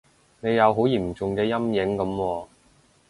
你有好嚴重嘅陰影噉喎